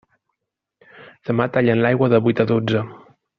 Demà tallen l'aigua de vuit a dotze.